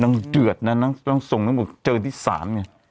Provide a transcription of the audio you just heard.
หนึ่งตัวณหนึ่งทรงเจอที่สาร